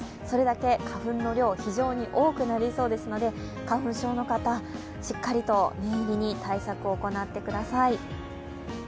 それだけ花粉の量、非常に多くなりそうですので花粉症の方、しっかりと念入りに対策を行ってください。